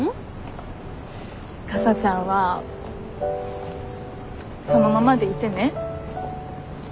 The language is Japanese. かさちゃんはそのままでいてね。